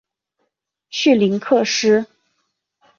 绪林克斯。